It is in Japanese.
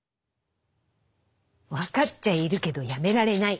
分かっちゃいるけどやめられない。